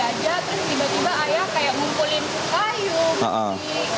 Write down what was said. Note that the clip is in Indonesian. terus tiba tiba ayah kayak ngumpulin kayu mesti terus baca